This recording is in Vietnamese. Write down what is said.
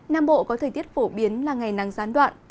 nam bộ có thời tiết phổ biến là ngày nắng gián đoạn